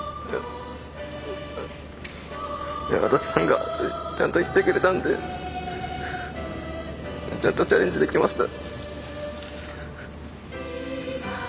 安達さんがちゃんといってくれたんでちゃんとチャレンジできました。